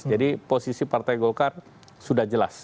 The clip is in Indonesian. jadi posisi partai golkar sudah jelas